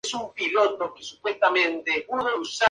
No doy entrevistas divertidas a revistas.